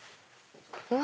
うわ！